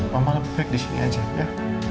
mbak mbak lebih baik di sini aja ya